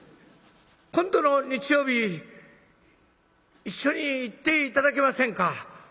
今度の日曜日一緒に行って頂けませんか？